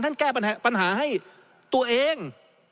แก้ปัญหาให้ตัวเอง